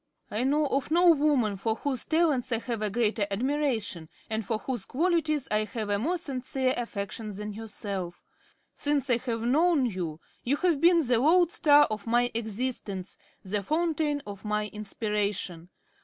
I know of no woman for whose talents I have a greater admiration or for whose qualities I have a more sincere affection than yourself. Since I have known you, you have been the lodestar of my existence, the fountain of my inspiration.